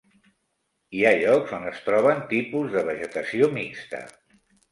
Hi ha llocs on es troben tipus de vegetació mixta.